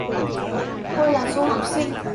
tôi là du học sinh